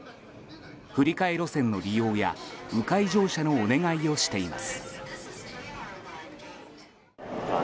振り替え路線の利用や迂回乗車のお願いをしています。